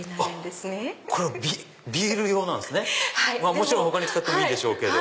もちろん他に使ってもいいでしょうけど。